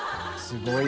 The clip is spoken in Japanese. すごい。